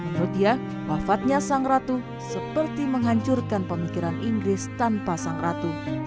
menurut dia wafatnya sang ratu seperti menghancurkan pemikiran inggris tanpa sang ratu